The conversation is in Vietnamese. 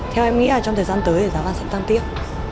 theo em nghĩ là trong thời gian tới thì giá vàng sẽ tăng tiếp